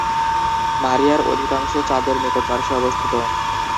মারিয়ার অধিকাংশ চাঁদের নিকট পার্শ্বে অবস্থিত।